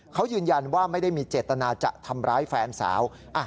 เขายืนยันว่าไม่ได้มีเจตนาจะทำร้ายแฟนสาว